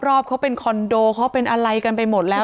รอบเขาเป็นคอนโดเขาเป็นอะไรกันไปหมดแล้ว